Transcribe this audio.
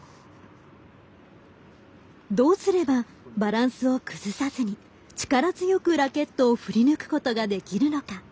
どうすればバランスを崩さずに力強くラケットを振り抜くことができるのか。